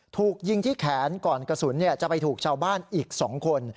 ถูกยิงที่แขนก่อนกระสุนจะไปถูกชาวบ้านอีก๒คน